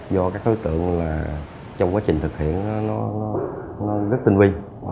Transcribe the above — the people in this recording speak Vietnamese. do các đối tượng trong quá trình thực hiện nó rất tinh vi